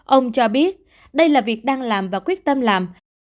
ông cho biết đây là việc đang làm và quyết tâm làm